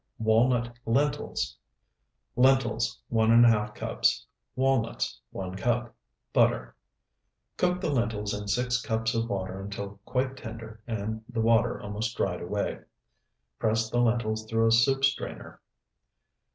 WALNUT LENTILS Lentils, 1½ cups. Walnuts, 1 cup. Butter. Cook the lentils in six cups of water until quite tender and the water almost dried away. Press the lentils through a soup strainer.